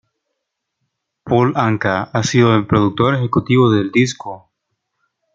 Paul Anka ha sido el productor ejecutivo del disco.